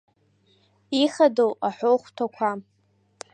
Ихадоу аҳәоу хәҭақәа…